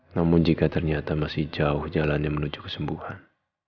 namun jika ternyata masih jauh jalannya menuju kesembuhan